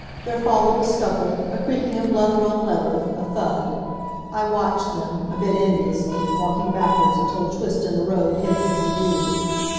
There followed a scuffle, a creaking of leather on leather, a thud. I watched them, a bit enviously, walking backwards until a twist in the road hid them from view.